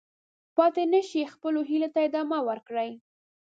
پاتې نه شئ، خپلو هیلو ته ادامه ورکړئ.